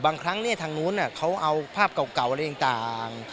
บางครั้งทางนู้นเขาเอาภาพเก่าอะไรต่าง